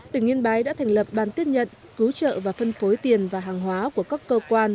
tỉnh yên bái đã thành lập ban tiếp nhận cứu trợ và phân phối tiền và hàng hóa của các cơ quan